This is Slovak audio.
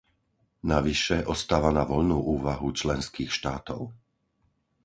Navyše, ostáva na voľnú úvahu členských štátov.